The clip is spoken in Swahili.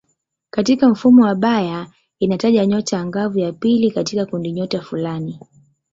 Katika mfumo wa Bayer inataja nyota angavu ya pili katika kundinyota fulani.